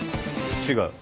違う。